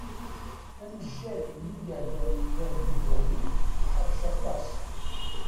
Amejjay n yigerdan yellan di Buɣni yeḥrec aṭas.